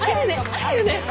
あるね！